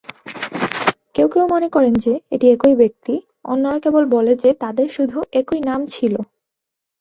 কেউ কেউ মনে করেন যে এটি একই ব্যক্তি, অন্যরা কেবল বলে যে তাদের শুধু একই নাম ছিল।